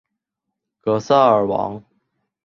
格萨尔王